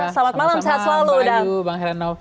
selamat malam sehat selalu selamat malam ayu bang heranov